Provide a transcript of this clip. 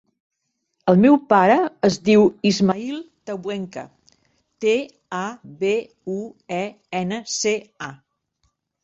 El meu pare es diu Ismaïl Tabuenca: te, a, be, u, e, ena, ce, a.